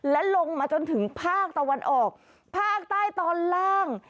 และลงมาจนถึงภาคตะวันออกภาคใต้ตอนล่าง